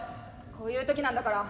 こういう時なんだから。